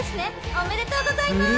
おめでとうございます！」